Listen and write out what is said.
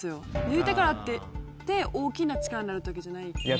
抜いたからって大きな力になるってわけじゃない。